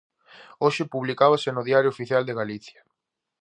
Hoxe publicábase no Diario Oficial de Galicia.